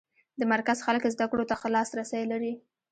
د مرکز خلک زده کړو ته ښه لاس رسی لري.